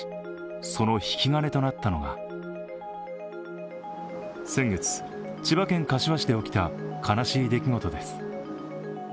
その引き金となったのが先月、千葉県柏市で起きた悲しい出来事です。